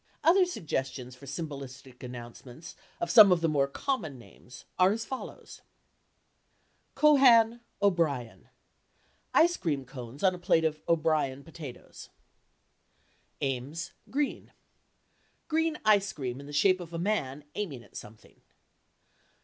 Other suggestions for symbolistic announcements of some of the more common names are as follows: "Cohan O'Brien"—ice cream cones on a plate of O'Brien potatoes. "Ames Green—green ice cream in the shape of a man aiming at something.